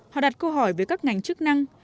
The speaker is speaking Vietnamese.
họ đặt câu hỏi với các ngành chức năng